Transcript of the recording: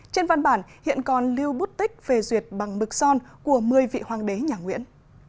trên văn bản hiện còn lưu bút tích phê duyệt bằng mực son của một mươi vị hoàng đế nhà nguyễn